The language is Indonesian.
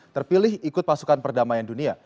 terpilih ikut pasukan perdamaian dunia